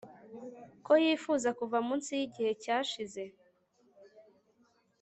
Ko yifuza kuva munsi yigihe cyashize